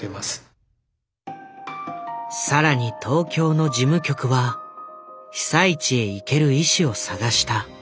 更に東京の事務局は被災地へ行ける医師を探した。